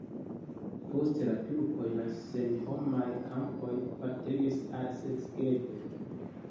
Post la turkoj la senhomaj kampoj apartenis al Szeged.